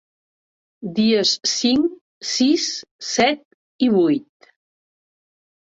Dies cinc, sis, set i vuit.